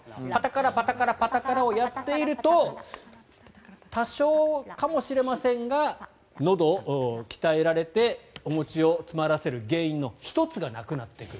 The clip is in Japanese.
パタカラ、パタカラをやっていると多少かもしれませんがのどが鍛えられてお餅を詰まらせる原因の１つがなくなってくる。